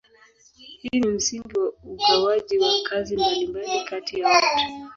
Hii ni msingi wa ugawaji wa kazi mbalimbali kati ya watu.